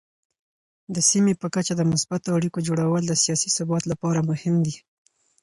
د سیمې په کچه د مثبتو اړیکو جوړول د سیاسي ثبات لپاره مهم دي.